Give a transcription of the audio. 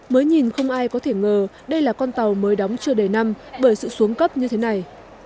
mới nhìn không ai có thể ngờ đây là con tàu mới đóng chưa đầy năm bởi sự xuống cấp như thế này